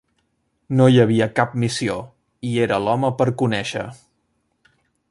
No hi havia cap missió, i era l'home per conèixer.